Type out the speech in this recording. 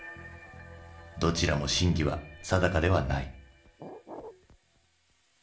どちらも真偽は定かではない。